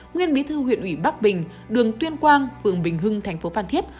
nguyên bí thư huyện ủy bắc bình đường tuyên quang phường bình hưng thành phố phan thiết